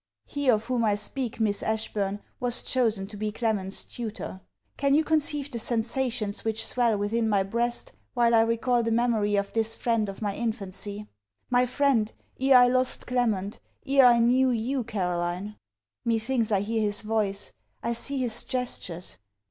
He of whom I speak, Miss Ashburn, was chosen to be Clement's tutor. Can you conceive the sensations which swell within my breast while I recal the memory of this friend of my infancy? My friend, ere I lost Clement, ere I knew you, Caroline. Methinks I hear his voice; I see his gestures.